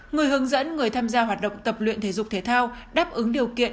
người hướng dẫn người tham gia hoạt động tập luyện thể dục thể thao đáp ứng điều kiện